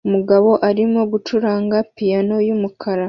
Umugabo arimo gucuranga piyano yumukara